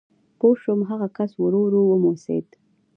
پوه شوم، هغه کس ورو ورو وموسېد.